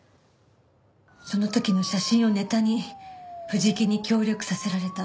その時の写真をネタに藤木に協力させられた。